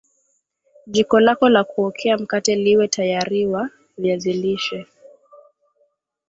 jiko lako la kuokea mkate liwe tayariwa viazi lishe